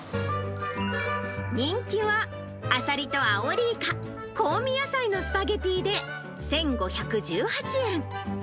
人気は、あさりとアオリイカ香味野菜のスパゲティで、１５１８円。